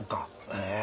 へえ。